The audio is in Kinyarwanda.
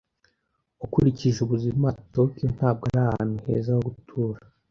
Ukurikije ubuzima, Tokiyo ntabwo ari ahantu heza ho gutura.